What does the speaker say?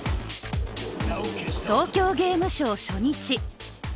東京ゲームショウ初日。